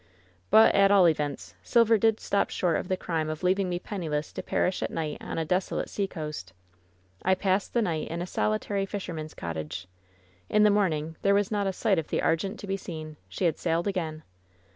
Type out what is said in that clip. But at all events. Silver did stop short of the crime of leaving me penniless to perish at night on a desolate sea coast. I passed the night in a solitary fisherman's cot tage. In the morning there was not a sign of the Ar gente to be seen. She had sailed again.